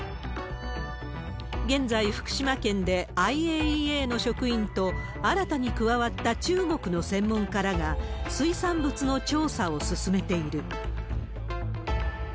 現在、福島県でＩＡＥＡの職員と、新たに加わった中国の専門家らが、水産物の調査を進めている。